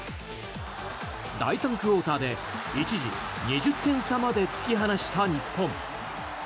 第３クオーターで、一時２０点差まで突き放した日本。